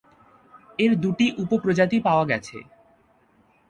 এর দুটি উপ প্রজাতি পাওয়া গেছে।